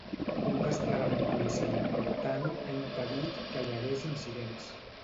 Un desplegament policial important ha impedit que hi hagués incidents.